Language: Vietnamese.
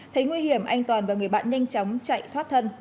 thấy nguy hiểm anh toàn và người bạn nhanh chóng chạy thoát thân